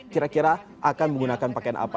kira kira akan menggunakan pakaian apa